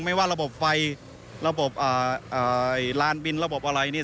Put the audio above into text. ไม่ว่าระบบไฟระบบอ่าอ่าลานบินระบบอะไรนี่